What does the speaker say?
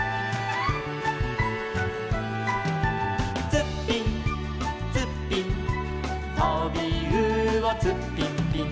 「ツッピンツッピン」「とびうおツッピンピン」